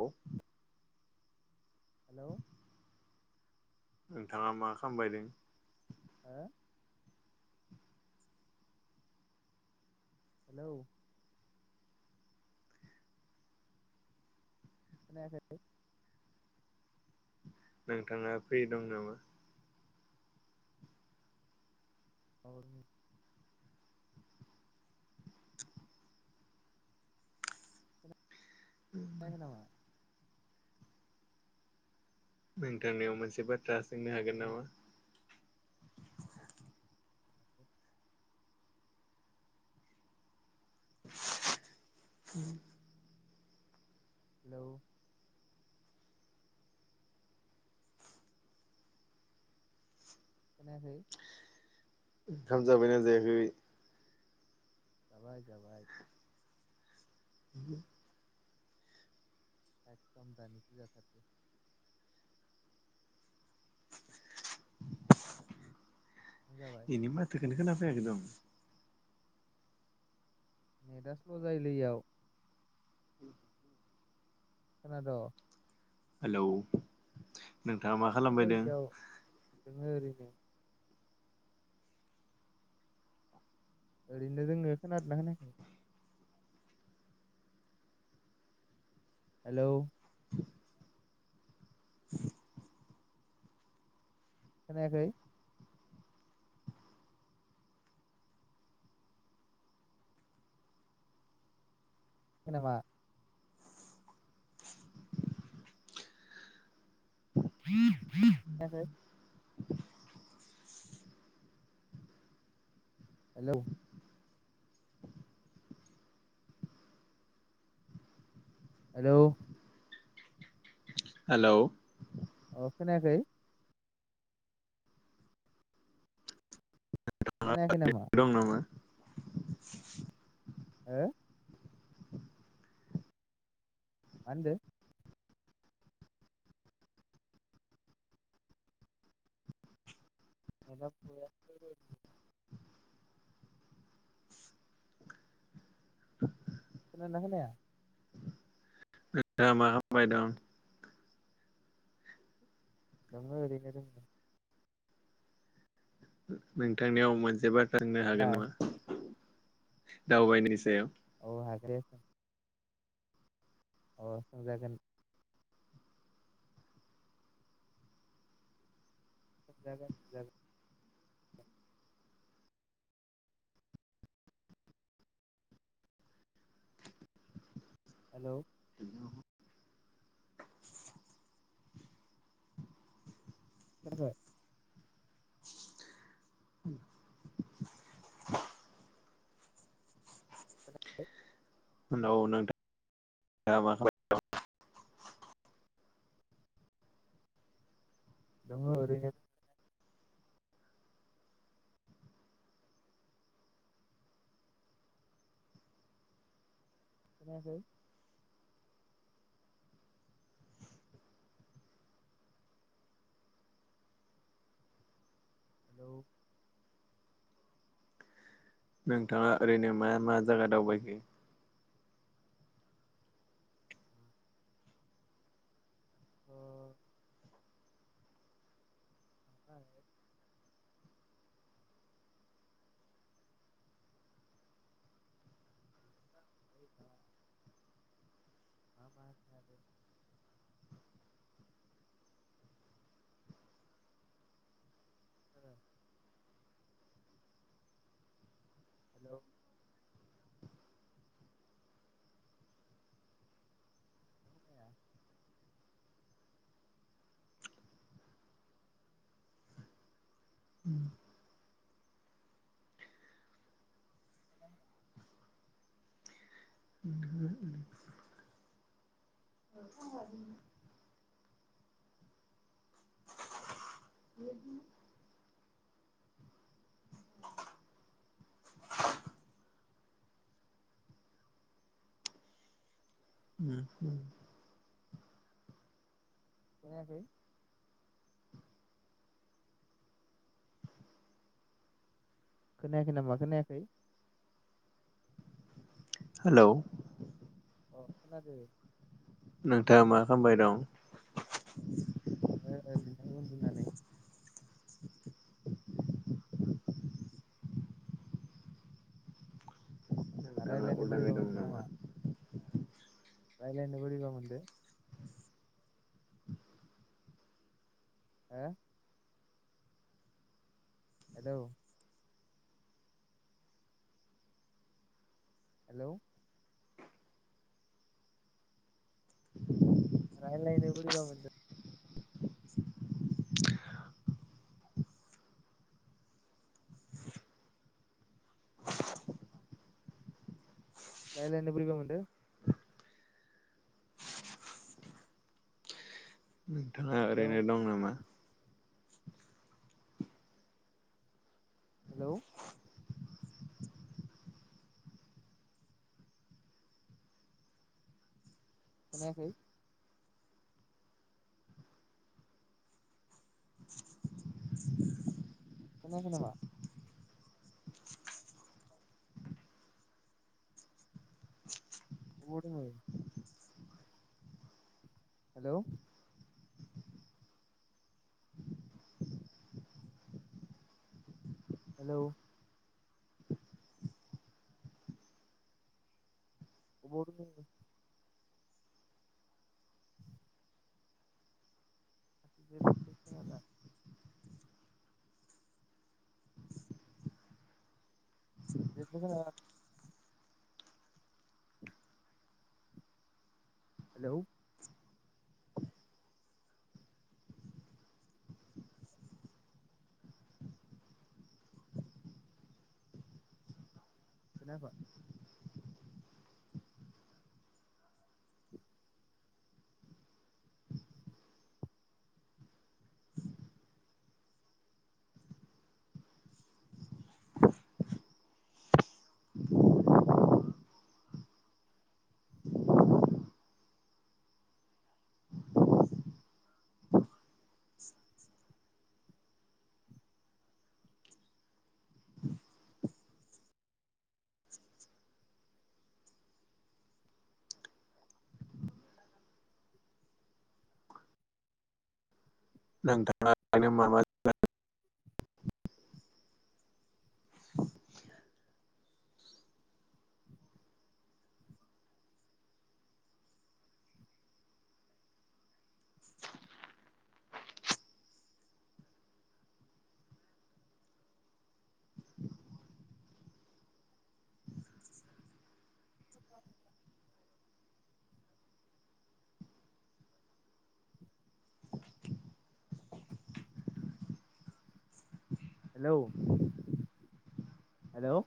औ। हेलौ नोंथाङा मा खामबाय दों? हो? हेलौ। खोनायाखै? नोंथाङा फ्रि दं नामा? औ दङो। खोनायाखै नामा? नोंथांनियाव मोनसे बाथ थ्रा सोंनो हागोन हेलौ नामा? [inaudible] [inaudible] हेलौ। खोनायाखै? ओंखाम जाबायना जायाखै? जाबाय जाबाय। [unintelligible] एकदम दानिसो जाथारदो। नों जाबाय इनि माथोखौनो खोनाफैयाखै दं। नेद स्ल' जायो लै एयाव। खोना द'? हेलौ नोंथाङा मा खालाम बायदों दों ङो ओरैनो ओरैनो दों खोनादोंना खोनायाखै? हेलौ औ [inaudible] खोनायाखै जेनबा खोनायाखै हेल' हेल' हेलौ अ खोनाखै खोनायाखै नामा दं नामा हो मा होनदों [unintelligible] खोनादों ना खोनाया? मा खालामबाय दं। दं ओरैनो। नोंथांनियाव मोनसे जोबोत सोंनो हागोन नोंलाय नामा? दाउबाय नायनि सायाव। औ हागोन। अ सों जागोन [unintelligible] हेल' खोनादों हेलौ हेलौ नोंथांआ मा खालामबाय दं? दंङ ओरैनो। खोनायाखै हेलौ नोंथाङा ओरैनो मा मा जागा दावबायखो? अ [unintelligible] मा मा आरो ओ हेल' ओम गोबां [unintelligible] ओम खोनखयाखै खोनायाखै नामा खोनायाखै? हेलौ। अ खोनादो। नोंथाङा मा खालामबाय दं? ओ ओरैनो उन्दुनानै दा नोंथाङा रायलायनो उदाङै बोरैबा दं मोनदो नामा? रायलायनो बोरैबा मोनदो? हा? Hello hello. रायलायनो बोरैबा मोनदो? रायलायनो बोरैबा मोनदो? ओ हेलौ ओरैनो दं नामा? हेलौ। खोनायाखै? खोनायाखै ना‌मा? बह दोङो? हेलौ हेलौ अबौ दोङो होनदों? जेबबो खोनाला। जेबो खोनाया हेलौ खोनायाखय? [inaudible] [inaudible] [unintelligible] [inaudible] [unintelligible] हेलौ हेल'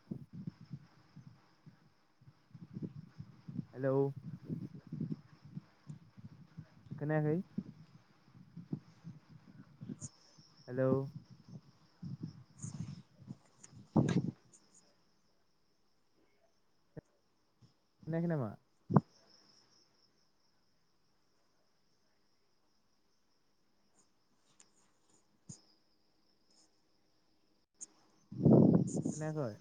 हेलौ खोनायाखै? हेलौ खोनायाखै नामा? [inaudible] खोनायाखय?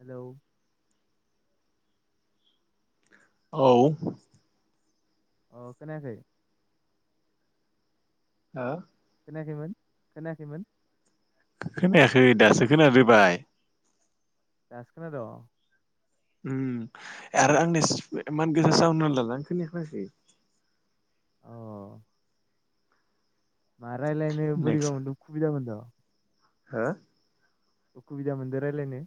हेलौ औ अ' खोनायाखै? आ खोनायाखैमोन खोनायाखैमोन? खोनायाखै दासो खोनादोबाय। दासो खोनाद'? उम आरो आंना [unintelligible] अ' मा रायलायनो नेक्स्ट बोरिबा मोनदो खुबिदा मोनद'? हो? उखुबिदा मोनदो रायलायनो?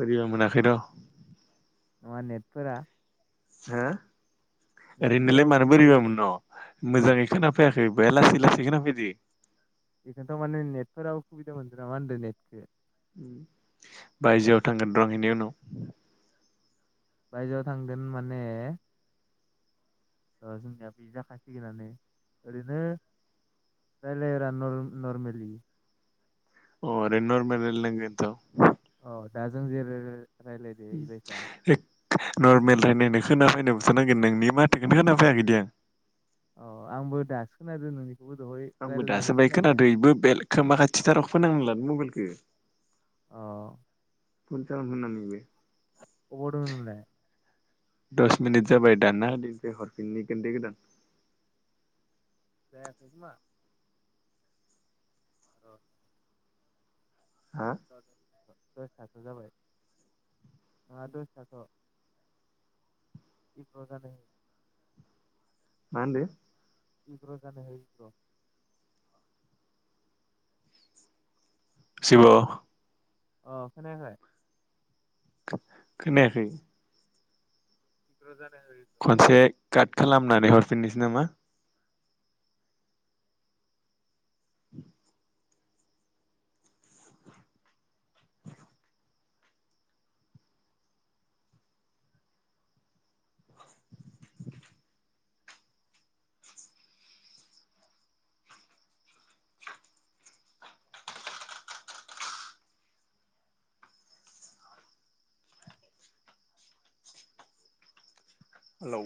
बोरिबा मोनाखै र' नङा नेटफोरा हो नेटफोरा ओरैनोलाय मानो उसुबिदा बोरैबा जादों मोनन मोजाङै खोनाफैयाखै बया लासै लासै खोनाफैदो बेखौयथ माने नेटफोरा अखुबिदा मोनदो नामा होनदो नेटखो बायजोआव थांगोनर आं इनि उनाव बायजोआव थांगोन माने ओ जोंनिया बे जाखासिगोनानो ओरैनो रायलायरा नर नरमेलि अ रै नरमेलि रायलायनां गोनथ औ दा जों जेरै राय उ एक नर्मेल रायनाय नाय खोनाफैनोबोथ नांगोन नोंनि माथोखोनो खोना फैयाखैदि आं अ आंबो दाासो खोनादो नोंनि आंबो दासो बाय खोनादो इबो बेलेग खोमा खाथिथाराव फोनांना लादो मबाइलखो अ फुल साउन होनानैबो अबाव दङ नोंलाय दस मिनिट जाबाय दानना होदो ओमफ्राय हरफिननि दे गोदान जायाखै खोमा ओ हा जादों दसे थाथ जाबाय नाङा दसेथाथ इकग्र' जानो हो मा होनदो इग्र' जानो हो इग्र' [unintelligible] अ खोनायाखै खोनायाखै इग्र' जानो हो इग्र' खनसे काट खालामनानै हरफिननोसै नामा हेलौ